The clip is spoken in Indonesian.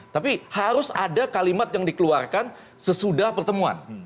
tapi harus ada kalimat yang dikeluarkan sesudah pertemuan